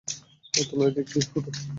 আর তোমরা এদিক দিয়ে ওঠো।